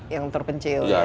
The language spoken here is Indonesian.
yang terpencil ya